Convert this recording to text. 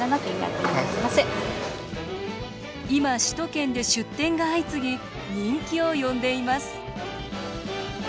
今、首都圏で出店が相次ぎ人気を呼んでいます。